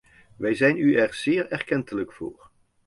We zijn u er zeer erkentelijk voor.